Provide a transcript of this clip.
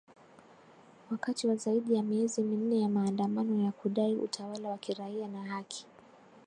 wakati wa zaidi ya miezi minne ya maandamano ya kudai utawala wa kiraia na haki